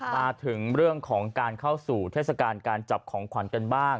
มาถึงเรื่องของการเข้าสู่เทศกาลการจับของขวัญกันบ้าง